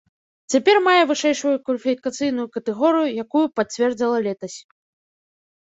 Цяпер мае вышэйшую кваліфікацыйную катэгорыю, якую пацвердзіла летась.